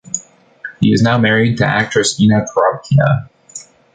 He is now married to actress Inna Korobkina.